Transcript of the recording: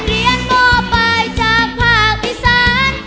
นักเรียนมอบไปจากภาคอีสาน